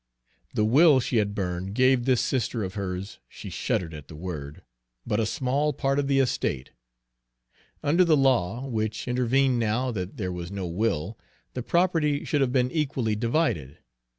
The will she had burned gave this sister of hers she shuddered at the word but a small part of the estate. Under the law, which intervened now that there was no will, the property should have been equally divided.